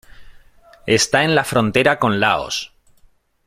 Está en la frontera con Laos.